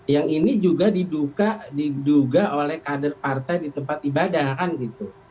yang ini juga diduga diduga oleh kader partai di tempat ibadahan gitu